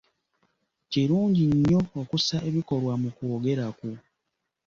Kirungi nnyo okussa ebikolwa mu kwogera kwo.